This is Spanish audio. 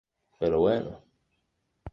Pero bueno...